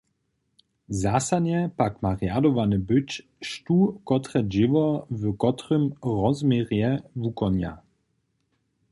Zasadnje pak ma rjadowane być, štó kotre dźěło w kotrym rozměrje wukonja.